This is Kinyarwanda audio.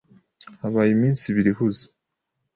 Habaye iminsi ibiri ihuze.